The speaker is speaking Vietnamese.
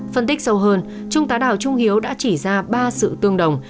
phân tích sâu hơn trung tá đào trung hiếu đã chỉ ra ba sự tương đồng